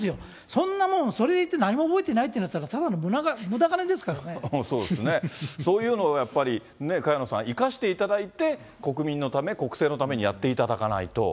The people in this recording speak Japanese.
そんなもん、それ行って何も覚えていないとなれば、そうですね、そういうのをやっぱり、萱野さん、行かしていただいて、国民のため、国政のためにやっていただかないと。